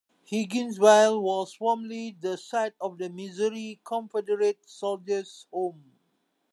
Higginsville was formerly the site of the Missouri Confederate Soldiers' Home.